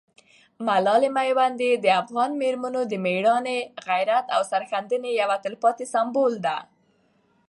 ملالۍ میوندۍ د افغان مېرمنو د مېړانې، غیرت او سرښندنې یو تلپاتې سمبول ده.